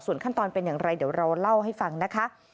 ขั้นตอนเป็นอย่างไรเดี๋ยวเราเล่าให้ฟังนะคะ